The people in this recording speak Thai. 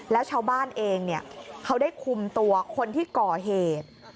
แล้วชาวบ้านเองเขาได้คุมตัวคนที่ก่อเหตุ